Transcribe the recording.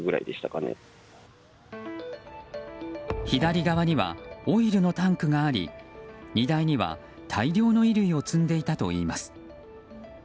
左側にはオイルのタンクがあり荷台には大量の衣類を積んでいたといいます。